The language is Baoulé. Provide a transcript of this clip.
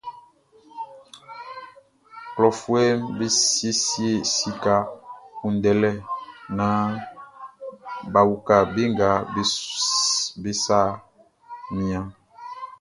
Klɔfuɛʼm be siesie sika kunndɛlɛ naan bʼa uka be nga be sa mianʼn.